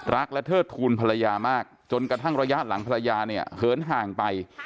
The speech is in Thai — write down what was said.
รักและเทิดทูลภรรยามากจนกระทั่งระยะหลังภรรยาเนี่ยเหินห่างไป